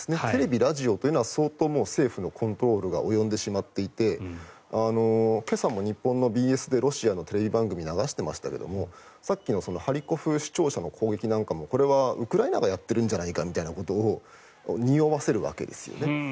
テレビ、ラジオというのは相当、政府のコントロールが生じていて今朝も日本のＢＳでロシアのテレビ番組を流していましたけれどさっきのハリコフ市庁舎の攻撃なんかもこれはウクライナがやってるんじゃないかということをにおわせるわけですね。